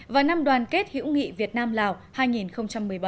và năm đoàn kết hữu nghị việt nam lào hai nghìn một mươi bảy